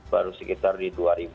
baru sekitar di dua delapan ratus